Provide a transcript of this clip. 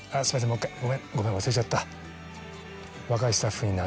もう１回ごめん忘れちゃった」。